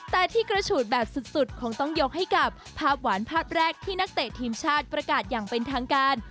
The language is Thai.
แต่ที่กระฉูดแบบสุดคงต้องยกให้กับภาพหวานภาพแรกที่นักเตะทีมชาติประกาศอย่างเป็นทางการ